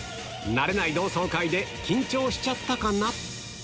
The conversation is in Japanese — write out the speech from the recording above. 慣れない同窓会で緊張しちゃったかな？